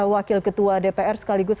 wakil ketua dpr sekaligus